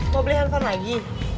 mau beli handphone lagi